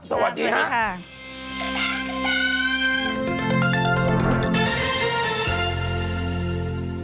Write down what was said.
สวัสดีค่ะ